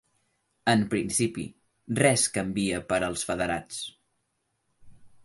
En principi, res canvia per als federats.